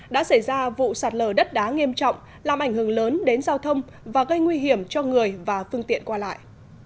đã xảy ra vụ sạt lở đất đá nghiêm trọng làm ảnh hưởng lớn đến giao thông và gây nguy hiểm cho người và phương tiện qua lại